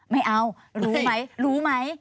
ไม่เอารู้ไหมรู้ไหม